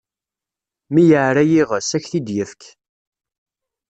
Mi yeɛra yiɣes, ad ak-t-id-yefk.